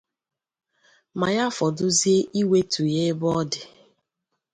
ma ya fọdụzie iwetù ya ebe ọ dị